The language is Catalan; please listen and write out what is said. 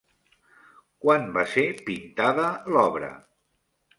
Quan va ser pintada l'obra?